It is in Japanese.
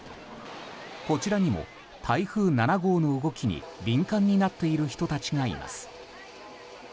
こちらにも台風７号の動きに敏感になっている人たちがいます。